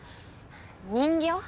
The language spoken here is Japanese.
人形？